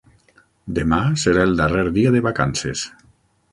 Demà serà el darrer dia de vacances.